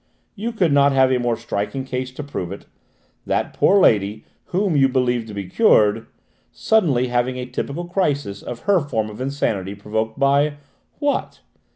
"You could not have a more striking case to prove it: that poor lady, whom you believed to be cured, suddenly having a typical crisis of her form of insanity provoked by what?